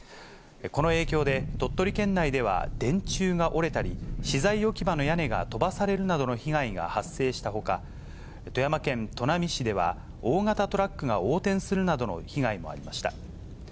この影響で、鳥取県内では電柱が折れたり、資材置き場の屋根が飛ばされるなどの被害が発生したほか、富山県砺波市では、大型トラックが横転するなどの被害もありました。